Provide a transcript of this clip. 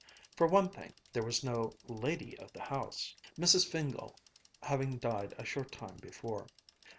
For one thing there was no "lady of the house," Mrs. Fingál having died a short time before.